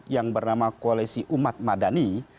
yang bernama koalisi umat madani